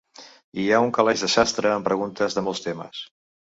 Hi ha un calaix de sastre amb preguntes de molts temes.